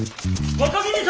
・若君様！